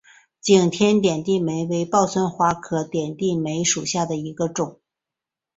景天点地梅为报春花科点地梅属下的一个种。